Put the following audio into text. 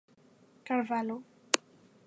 Carvalho.